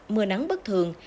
mưa nắng bất thường